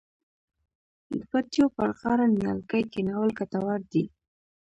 د پټیو پر غاړه نیالګي کینول ګټور دي.